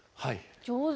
上手！